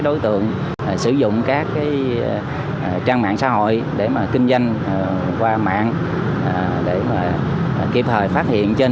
đối tượng sử dụng các cái trang mạng xã hội để mà kinh doanh qua mạng để mà kịp thời phát hiện trên